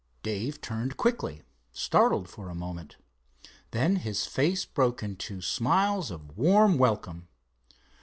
Dave turned quickly, startled for a moment. Then his face broke into smiles of warm welcome.